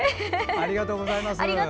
ありがとうございます。